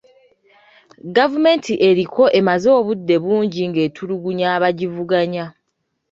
Gavumenti eriko emaze obudde bungi ng'etulugunya abagivuganya.